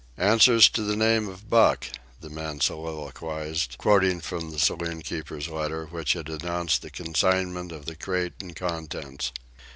"'Answers to the name of Buck,'" the man soliloquized, quoting from the saloon keeper's letter which had announced the consignment of the crate and contents.